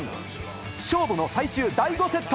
勝負の最終第５セット。